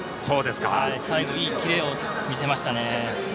最後、いいキレを見せましたね。